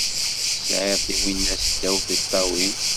Tesɛid tiwinas ddaw tiṭṭawin.